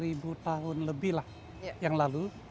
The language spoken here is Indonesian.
sekitar dua ribu tahun lebih lah yang lalu